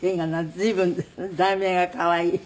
随分題名が可愛い。